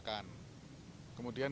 kemudian kita juga memastikan